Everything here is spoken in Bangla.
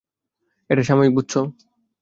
এটা সাময়িক, বুঝছ?